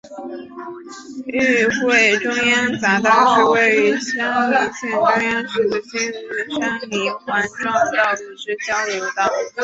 玉穗中央匝道是位于山梨县中央市的新山梨环状道路之交流道。